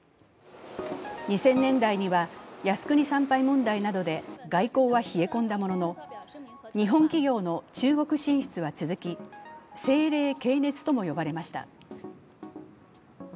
２０００年代には靖国参拝問題などで外交は冷え込んだものの日本企業の中国進出は続き、政冷経熱とも呼ばれました。